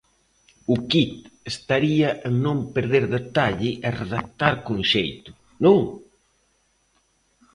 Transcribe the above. O quid estaría en non perder detalle e redactar con xeito, ¿non?